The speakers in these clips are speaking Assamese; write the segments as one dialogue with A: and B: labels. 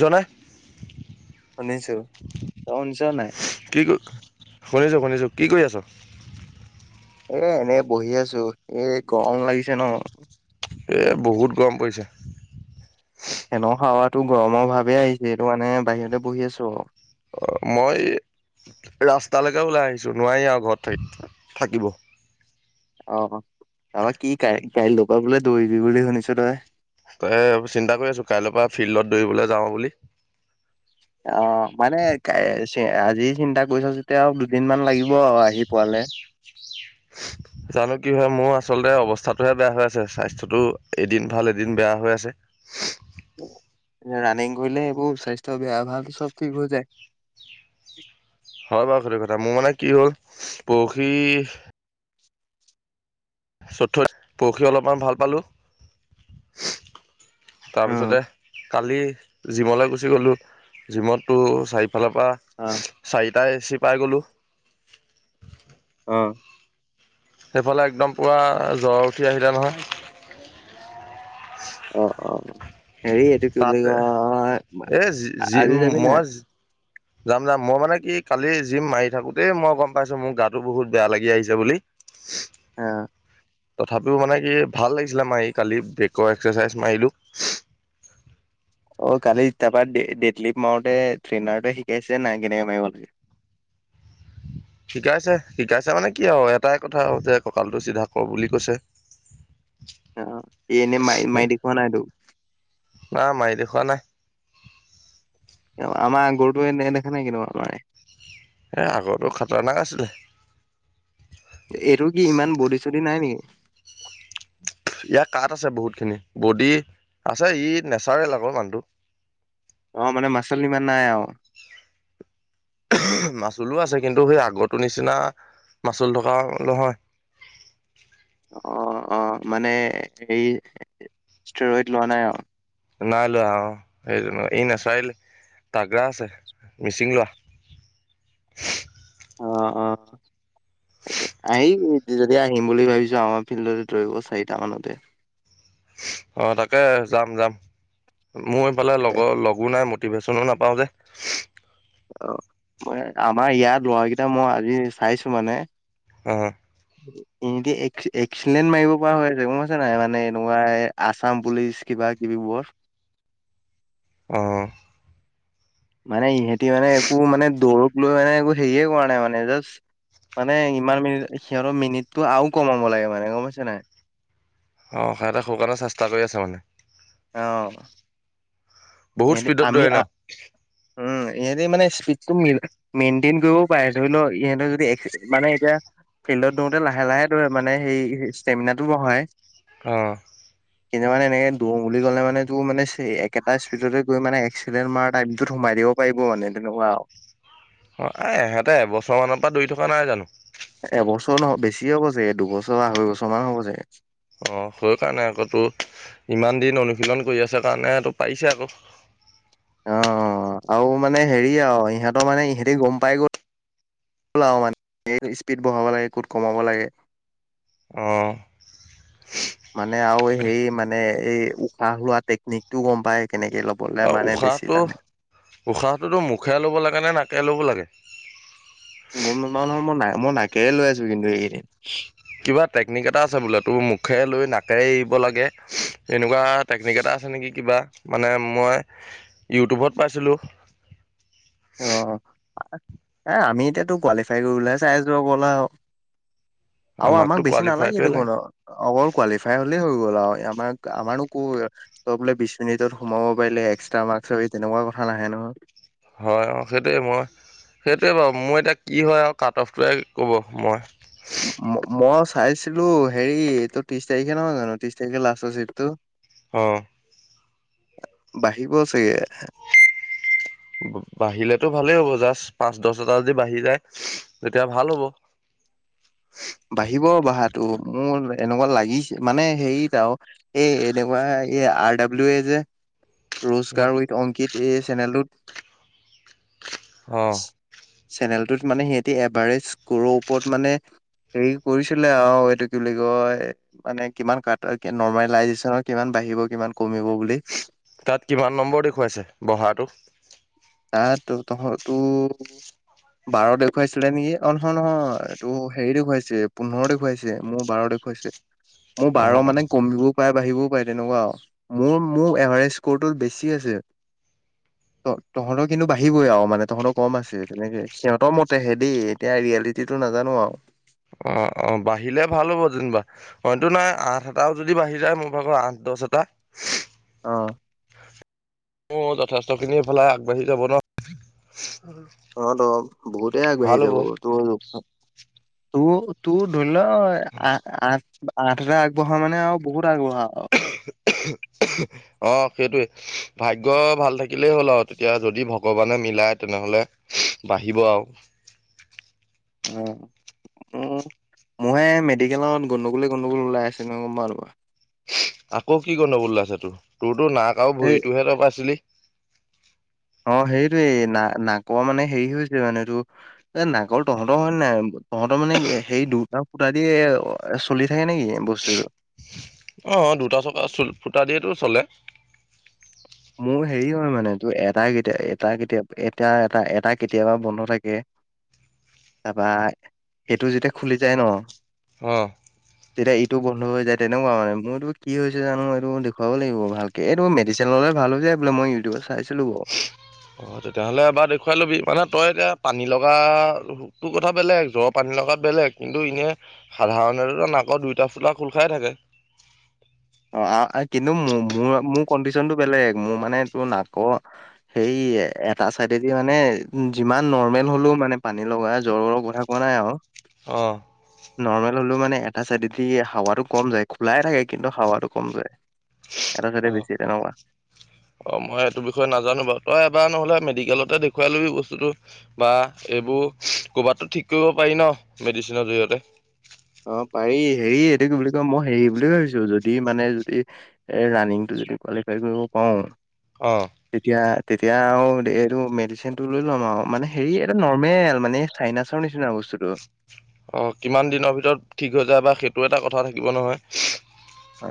A: জনাই।
B: শুনিছো। তই শুনিছ নাই?
A: [unintelligible] কি ক হৈ যাব নিজক। কি কৰি আছ?
B: এ এনেই বহি আছোঁ, এই গৰম লাগিছে ন।
A: এ বহুত গৰম পৰিছে।
B: ফেনৰ হাৱাটো গৰমৰ ভাৱে আহিছে সেইটো কাৰণে বাহিৰতে বহি আছোঁ আৰু।
A: অ! মই ৰাস্তালৈকে ওলাই আহিছোঁ নোৱাৰি আৰু ঘৰত থাকি থাকিব।
B: অঁ! অঁ তাৰপা কাই কাইলৰ পৰা বোলে দৌৰিবি বুলি শুনিছোঁ তই।
A: ত এই চিন্তা কৰি আছোঁ কাইলৈৰ পৰা ফিল্ডত দৌৰিবলৈ যাওঁ বুলি।
B: অঁ! মানে আজি চিন্তা কৰিছ যেতিয়া আৰু দুদিনমান লাগিব আহি পোৱালে।
A: জানো কি হয় মোৰ আচলতে অৱস্থাটোহে বেয়া হৈ আছে। স্বাস্থ্যটো এদিন ভাল এদিন বেয়া হৈ আছে।
B: ৰাণিং কৰিলে এইবোৰ স্বাস্থ্য বেয়া ভাল চব ঠিক হৈ যায়।
A: হয় বাৰু সেইটো কথা। মোৰ মানে কি হ'ল পৰসি চতু পৰহি অলপমান ভাল পালোঁ।
B: [unintelligible]
A: তাৰপিছতে
B: অ'।
A: কালি জিমলে গুচি গলোঁ। জিমটো চাৰিওফালৰ পৰা
B: অঁ!
A: চাৰিটা এচি পাই গ'লোঁ।
B: অঁ!
A: সেইফালে একদম পুৰা জ্বৰ উঠি আহিলে নহয়।
B: অ-অ! হেৰি এইটো কি বুলি
A: তাতে
B: কয়
A: এ
B: আজি যাবি নাই?
A: যাম-যাম মই মানে কি কালি জিম মাৰি থাকোঁতেই মই গম পাইছো মোক গাটো বহুত বেয়া লাগি আহিছে বুলি।
B: অঁ।
A: তথাপিও মানে কি ভাল লাগিছিলে মাৰি কালি ব্ৰেকৰ এক্সাৰচাইজ মাৰিলোঁ।
B: অ! কালি তাৰপা ডেটলিপ্ট মাৰোঁতে ট্ৰেইনাৰটোৱে শিকাইছে নাই কেনেকে মাৰিব লাগে?
A: শিকাইছে। শিকাইছে মানে কি আৰু এটাই কথা যে কঁকালটো চিধা কৰ বুলি কৈছে।
B: অঁ! সি এনেই মাৰি-মাৰি দেখুৱা নাই তোক।
A: না মাৰি দেখুওৱা নাই।
B: আমাৰ গৰুটোৱে [unintelligible] দেখা নাই কেনেকে মাৰে।
A: এ আগৰটো খাতাৰনাক আছিলে।
B: এইটো কি ইমান বডি-চডি নাই নেকি?
A: ইয়াৰ কাঞ আছে বহুতখিনি বডি আছে ই নেচাৰেল আকৌ মানুহটো।
B: অঁ! মানে মাচল ইমান নাই আৰু?
A: [unintelligible] মাচুলো আছে কিন্তু সেই আগৰটো নিচিনা মাচুল থকা নহয়।
B: অ-অ! মানে সেই ষ্টৰইড লোৱা নাই আও।
A: নাই লোৱা অঁ সেই জনে। ই নেচাৰেল তাগ্ৰা আছে মিচিং ল'ৰা।
B: অঁ-অঁ! আহিবি যদি আহিম বুলি ভাবিছ আমাৰ ফিল্ডতে দৌৰিব চাৰিটা মানতে।
A: অ তাকে যাম যাম, মোৰ এইফালে লগৰ লগো নাই মোত টিভেশ্যনো নাপাওঁ যে।
B: অ মই আমাৰ ইয়াত লৰা কেইটা মই আজি চাইছো মানে
A: হয়।
B: [inaudible] এনকেই এক এক্সিলেণ্ট মাৰিব পৰা হৈ আছে, গম পাইছা নাই মানে এনেকুৱা আছাম পুলিচ কিবা কিবি বোৰ।
A: অহ।
B: মানে ইহঁতি মানে একো মানে দৌৰক লৈ মানে একো হেৰিয়ে কৰা নাই মানে জাষ্ট মানে ইমান মিনিট সিহঁতৰ মিনিটটো আৰু কম হব লাগে মানে গম পাইছা নাই?
A: অঁ সিহঁতে হওঁ কাৰণে চেষ্টা কৰি আছে মানে।
B: অহ।
A: বহুত
B: ইহঁতে
A: স্পীডত
B: আমি
A: দৌৰে ন
B: আ, উম ইহঁতে মানে স্পীডটো মিল মেইনটেইন কৰিবও পাৰে, ধৰি ল ইহঁতৰ যদি এচ্চি মানে এতিয়া ফিল্ডত দৌৰতে লাহে লাহে দৌৰে মানে সেই ষ্টেমিনাটো বঢ়ায়।
A: অঁ।
B: কিছুমানে এনেকৈ দৌৰ বুলি কলে মানে দৌৰ সেই একেটাই পিছতহে গৈ মানে এক্সিলেন্ত মাৰা টাইপটোত সোমাই দিব পাৰিব মানে তেনেুৱা আৰু।
A: অঁ এ ইহঁতে এবছৰমানৰ পৰা দৌৰি থকা নাই জানো?
B: এবছৰ নহয় বেছি হব চাগে দুবছৰ আঢ়ৈ বছৰ মান হ'ব চাগে।
A: অঁ সেই কাৰণে আকৌ তোৰ ইমান দিন অনুশীলন কৰি আছে কাৰণে ইটো পাইছে আকৌ।
B: অ অ অ আৰু মানে হেৰি আৰু ইহঁতে মানে ইহঁতি গম পাই গ'ল [inaudible] মানে এই স্পীড বঢ়াব লাগে ক'ত কমাব লাগে।
A: অ।
B: মানে আৰু সেই মানে এই উশাহ লোৱা টেকনিকটোও গম পায় কেনেকে অলপ বলা
A: অ
B: মানে বেছি টানে।
A: উশাহটো মুখে ল'ব লাগে না নাকে ল'ব লাগে?
B: গম নাপাও নহয় মই ন মই নাকেৰে লৈ আছো কিন্তু এইকেইদিন।
A: কিবা টেকনিক এটা আছে বোলে তোৰ মুখেৰে লৈ নাকেৰে এৰিব লাগে। এনেকুৱা টেকনিক এটা আছে নেকি কিবা মানে মই ইউটিউবত পাইছিলোঁ।
B: অ, এ আমি এতিয়াতো কোৱালিফাই কৰি বলেহে চাই আছোঁ অকল আও। আৰু আমাক
A: আমাকতো
B: বেছি নালাগে
A: কোৱালিফাইটোৱে লাগে
B: দেখোনো অকল কোৱালিফাই হলেই হৈ গল আও আমাক আমাৰো কৰ ত বোলে বিশ মিনিটত সোমাব পাৰিলে এক্সট্ৰা মাৰ্কচ পাবি তেনেকুৱা কথা নাহে নহয়।
A: হয় অঁ সেইটোৱে মই সেইটোৱে বাৰু মোৰ এতিয়া কি হয় আৰু কাট অফটোৱে ক'ব, মই
B: মই চাইছিলো হেৰি এইটো ত্ৰিশ তাৰিখে নহয় জানো, ত্ৰিশ তাৰিখে লাষ্টৰ চিটটো।
A: অঁ।
B: বাঢ়িব চাগে।
A: বাঢ়িলেতো ভালেই হ'ব জাষ্ট পাঁচ দহ হাজাৰ যদি বাঢ়ি যায়, তেতিয়া ভাল হ'ব।
B: বাঢ়িব বঢ়াটো মোৰ এনেকুৱা লাগিছে মানে হেৰিত আও এ এনেকুৱা এ আৰ ডব্লু এ যে ৰোজকাৰ উইথ অংকিত এই চেনেলটোত
A: অ।
B: চেনেলটোত মানে সিহঁতি এভাৰেষ্ট স্কোৰৰ ওপৰত মানে হেৰি কৰিছিলে আৰু এইটো কি বুলি কয় মানে কিমান কাট নৰ্মেলাইজেচনৰ কিমান বাঢ়িব কিমান কমিব বুলি।
A: তাত কিমান নম্বৰ দেখুৱাইছে বহাটো?
B: [inaudible] বাৰ দেখুৱাইছিলে নেকি, অঁ নহয় নহয় এইটো হেৰি দেখুৱাইছে পোন্ধৰ দেখুৱাইছে। চে মোৰ বাৰ দেখুৱাইছে, মোৰ
A: অ
B: বাৰ মানে কমিব পাই বাঢ়িবও পাৰে তেনেকুৱা মোৰ মোৰ এভাৰেজ স্ক'ৰটো বেছি আছে। [inaudible] তহঁতৰ কিন্তু বাঢ়িবই আৰু মানে তহঁতৰ কম আছে, তেনেকে সিহঁতৰ মতেহে দেই এতিয়া ৰিয়েলিটিটো নাজানো আও।
A: অঁ অ বাঢ়িলে ভাল হ'ব যেনিবা। হয়তো নাই আঠ এটায়ো যদি বাঢ়ি যায়, মোৰ ভাগৰ আঠ দশ এটা
B: অঁ।
A: অঁ, যথেষ্টখিনি ইফালে আগবাঢ়ি যাব ন।
B: অঁ ত বহুতেই আগবাঢ়ি
A: ভাল হ'ব
B: যাব তোৰ তোৰ তোৰ ধৰি লোৱা আ আঠ আঠ হাজাৰ আগবঢ়া মানে আৰু বহুত আগবঢ়া আৰু।
A: [unintelligible] অঁ, সেইটোৱে ভাগ্য ভাল থাকিলেই হ'ল আও, তেতিয়া যদি ভগৱানে মিলাই তেনেহ'লে বাঢ়িব আও।
B: উম উম। মইয়ে মেডিকেলত গণ্ডগোলে গণ্ডগোল ওলাই আছে নহয় গম নাপাও।
A: আকৌ কি গণ্ডগোলে ওলাইছে তোৰ তোৰ তো নাক আৰু
B: সেই
A: ভৰিতোহে তই পইছিলি।
B: অঁ, সেইটোৱে না নাকোৱা মানে হেৰি হৈছে মানে এইটো এ নাগল তহঁতৰ হয় নাই, তহঁতৰ মানে সেই দুটা ফুটা দিয়ে চলি থাকে নেকি বস্তুটো।
A: অঁ দুটা চকা ফুটা দিয়েটো চলে।
B: মোৰ হেৰি হয় মানে তোৰ এটা কেতিয়া এটা কেতিয়া এটা এটা এটা কেতিয়াবা বন্ধ থাকে। তাৰাপা সেইটো যেতিয়া খুলি যায় ন,
A: অঁ।
B: [unintelligible] যেতিয়া ইটো বন্ধ হৈ যায় তেনেকুৱা মানে, মোৰতটো কি হৈছে জানো এইটো দেখুৱাব লাগিব ভালকে, এইটো মেডিচনলৈ চালো যে বোলে মই ইউটিউব চাইছিলো বাও।
A: অ তেতিয়াহ'লে এবাৰ দেখুৱাই ল'বি, মানে তই এতিয়া পানী লগা তোৰ কথা বেলেগ জ্বৰ পানী লগাত বেলেগ কিন্তু এনেই সাধাৰণতে নাকৰ দুইটা ফোতা খোল খাই থাকে।
B: অঁ, কিন্তু মোৰ মোৰ কণ্ডিশনটো বেলেগ মোৰ মানে তোৰ নাকৰ সেই এটা চাইডেদি মানে উম যিমান নৰ্মেল হলো মানে পানী লগা জ্বৰৰ কথা কোৱা নাই আও।
A: অঁ।
B: নৰ্মেল হ'লেও মানে এটা চাইডেদি হাৱাতটো কম যায়, খোলাই থাকে কিন্তু হাৱা টো কম যায়। এটা চাইডে
A: অঁ।
B: বেছি তেনেকুৱা।
A: অ মই এইটো বিষয়ে নাজানো বাৰু, তই এবাৰ নহলে মেডিকেলতে দেখুৱাই লবি বস্তুটো। বা এইবোৰ ক'ৰবাততো ঠিক কৰিব পাৰি ন মেডিচিনৰ জড়িয়তে।
B: অঁ পাৰি হেৰি এইটো কি বুলি কয় মই হেৰি বুলি ভাবিছো যদি মানে যদি এই ৰাণিংটো যদি কোৱালিফাই কৰিব পাৰোঁ।
A: অঁ।
B: তেতিয়া তেতিয়া আৰু এইটো মেডিচিনটো লৈ লম আৰু মানে হেৰি এটা নৰ্মেল মানে। চাইনাচৰ নিচিনা বস্তুোটো।
A: অ', কিমান দিনৰ ভিতৰত ঠিক হৈ যায় বা সেইটো এটা কথা থাকিব নহয়।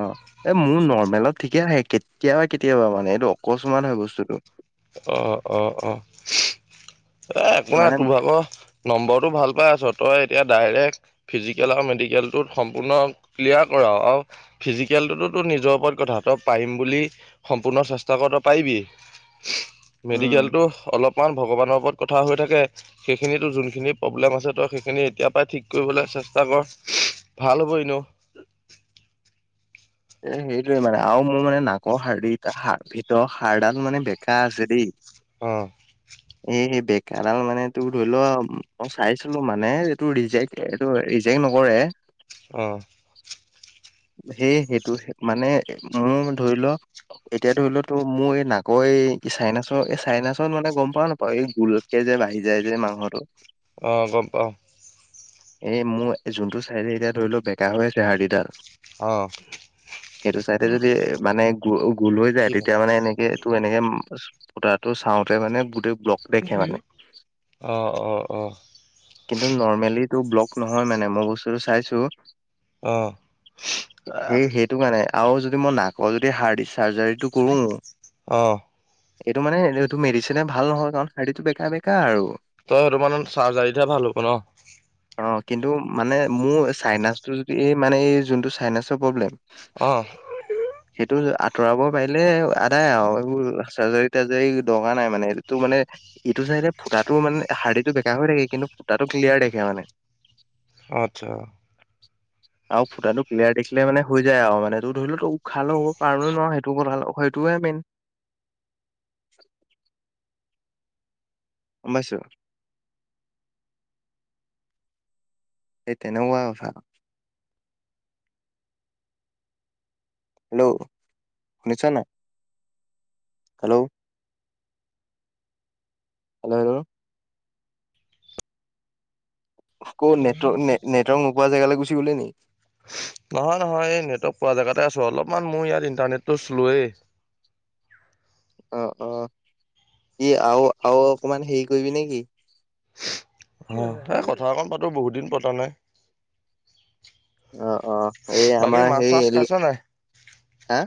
B: অ', এ মোৰ নৰ্মেলত ঠিকে আহে কেতিয়াবা কেতিয়াবা মানে এইটো অকস্মাত হয় বস্তুটো।
A: অ', অ', অ', এ একো নাই
B: মানে
A: তোৰ ভাগৰ নম্বৰটো ভাল পাই আছ, তই এতিয়া ডাইৰেক্ট ফিজিকেল আৰু মেডিকেল টোত সম্পূৰ্ণ ক্লিয়াৰ কৰা আৰু ফিজিকেলটোতো নিজৰ ওপৰত কথাাত পাৰিম বুলি সম্পূৰ্ণ চেষ্টা কৰ পাৰিবি।
B: উম।
A: মেডিকেলতো অলপমান ভগৱানৰ ওপৰত কথা হৈ থাকে। সেইখিনিতো যোনখিনি প্ৰব্লেম আছে তই সেইখিনি এতিয় পৰাই ঠিক কৰিবলৈ চেষ্টা কৰ। ভাল হ'ব এনেও।
B: এ সেইটোৱে মানে আৰু মোৰ মানে নাকৰ হাৰদি ভিতৰৰ হাৰডাল মানে বেকা আছে দেই।
A: অ'।
B: এ বেকাডাল মানে তোৰ ধৰি ল মই চাইছিলো মানে এইটোৰ ৰিজেক্ট এই এইটো ৰিজেক্ট নকৰে।
A: অ'।
B: সেইটো সেইটো মানে মোৰ ধৰি ল এতিয়া ধৰি ল তোৰ মোৰ এই নাকৰ এই চাইনাচৰ এই চাইনাচত মানে গম পাওঁ নাপাওঁ এই গোলত তে যে বাঢ়ি যায় যে মাংসটো।
A: অ', গম পাওঁ।
B: এ মোৰ যোনটো চাইডে এতিয়া ধৰি ল বেকা হৈ আছে হাৰ্ডিডাল।
A: অ'।
B: সেইটো চাইডে যদি মানে গ-গোল লৈ যায়
A: কি
B: তেতিয়া মানে এনেকে টো এনেকে ফোতাটো চাওঁতে মানে গোটেই ব্লক দেখে মানে
A: অ', অ', অ'।
B: কিন্তু নৰ্মেলি তোৰ ব্লক নহয় মানে মই বস্তুটো চাইছো।
A: অ'।
B: সেই সেইটো কাৰণে আৰু যদি মই নাকৰ যদি হাৰ্ডী চাৰ্জাৰীটো কৰো।
A: অ
B: এইটো মানে এইটো মেডিচিনে ভাল নহয় কাৰণ হাৰ্ডিটো বেকা বেকা আৰু।
A: তই সেইটো মানে চাৰ্জাৰীতহে ভাল হ'ব ন?
B: অ', কিন্তু মানে মোৰ চাইনাচটো যদি এই যোনটো চাইনাছৰ প্ৰব্লেম।
A: অ'।
B: সেইটো আঁতৰাব পাৰিলে আদায় আৰু এইবোৰ চাৰ্জাৰী তাৰ্জাৰি দৰকাৰ নাই মানে। সেইটোতো মানে এইটো চাইডে ফুটাটো মানে হাৰ্ডীটো বেকা হৈ থাকে কিন্তু ফুটাটো ক্লিয়াৰ দেখে মানে।
A: অ', আতছা।
B: আৰু ফুটাতো ক্লিয়াৰ দেখিলে মানে হৈ যায় আৰু মানে তোৰ ধৰি ল উশাহ ল'ব পাৰো নে নোৱাৰো সেইটো কথা সেইটোহে মেইন। গম পাইছ। সেই তেনেকুৱা কথা। হেল্ল' শুনিছনে নাই হেল্ল'। [inaudible] আকৌ নেটৱ-নেটৱৰ্ক নোপোৱা জেগালৈ গুচি গলি নেকি?
A: নহয় নহয় এই নেটৱৰ্ক পোৱা জেগাতে আছো অলপমান মোৰ ইয়াত ইণ্টাৰনেটো শ্লোৱেই।
B: অ', অ', কি আৰু আৰু অকমান হেৰি কৰিবি নেকি?
A: হয়, এ কথা অকন পাতো বহুত দিন পতা নাই।
B: অ', অ', এই
A: বাকী
B: আমাৰ
A: মাছ চাছ
B: হেৰি
A: খাইছ নাই
B: হা?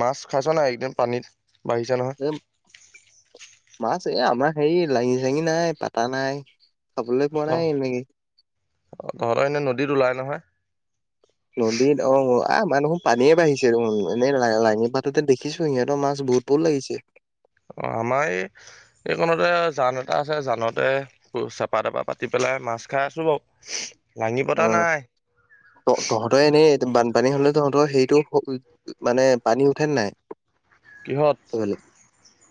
A: মাছ খাইছ নাই? এইকেইদিন পানীত বাঢ়িছে নহয়।
B: এ মাছ এ আমাৰ হেৰি লাঙি -জাঙি নাই পাতা নাই। খাবলৈ পোৱা নাই নেকি?
A: অ তহঁত এনেই নদীত ওলাই নহয়।
B: নদীত অঁ আ আমা দেখোন পানীয়ে বাঢ়িছে দেখোন, এনেই লা -লাঙি পাতোতে দেখিছো সিহঁতৰ মাছ বহুত- বহুত লাগিছে।
A: অঁ' আমাৰ এই এইকনতে জান এটা আছে জানতে- চেপা -তেপা পাতি পেলাই মাছ খাই আছো বাৰু। লাঙি পতা নাই।
B: তয় এনেই বানপানী হলে তহঁতৰ সেৰিটো প মানে পানী উঠে নে নাই?
A: কিহত?
B: সেইফালে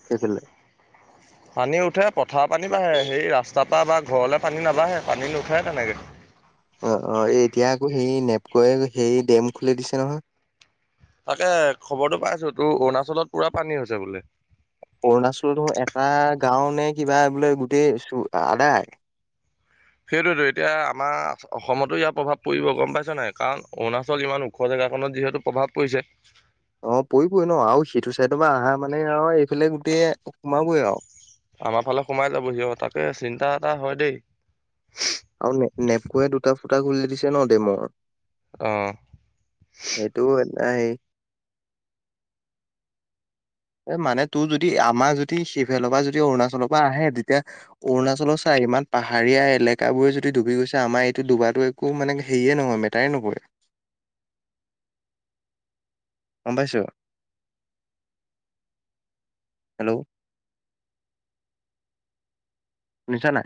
B: সেইফালে।
A: পানী উঠে পথাৰ পানী বাঢ়ে সেই ৰাস্তাৰ পৰা বা ঘৰলে পানী নাবাঢ়ে পানী নুঠে তেনেকে।
B: অঁ অঁ এই এতিয়া আকৌ হেই নেপকয়ে হেই ডেম খুলি দিছে নহয়।
A: তাকে খবৰটো পাইছো তোৰ অৰুণাচলত পুৰা পানী হৈছে বোলে।
B: অৰুণাচলত হ এটা গাঁও নে কিবা বোলে গোটেই আদায়।
A: সেইটোৱেতো এতিয়া আমা অসমতো ইয়াৰ প্ৰভাৱ পৰিব গম পাইছা নাই? কাৰণ অৰুণাচল যিমান ও- খ জেগাকণত যিহেতু প্ৰভাৱ পৰিছে।
B: অঁ' পৰিবই ন আৰু, সেইটো চাইডৰ পা আহা মানে আও এইফালে গোটেই সোমাবই আও।
A: আমা ফালে সোমাই যাব সি অঁ' তাকে চিন্তা এটা হয় দেই।
B: আৰু নেপকোয়ে দুটা ফুটা খুলি দিছে ন ডেমৰ।
A: অঁ'
B: সেইটোও এটা সেই- এ মানে তোৰ যদি আমাৰ যদি সিফেলৰ পৰা যদি অৰুণাচলৰ পা আহে তেতিয়া- অৰুণাচলৰ চাই সিমান পাহাৰীয়া এলেকাবোৰে যদি ডুবি গৈছে আমাৰ এইটো ডুবাটো- একো মানে হেয়ে নহয় মেটাৰে নকৰে। গম পাইছ? হেল্লৌ' শুনিছা নাই?